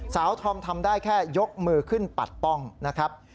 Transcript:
ทอมทำได้แค่ยกมือขึ้นปัดป้องนะครับ